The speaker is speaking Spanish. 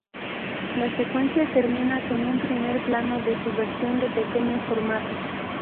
La secuencia termina con un primer plano de su versión de pequeño formato.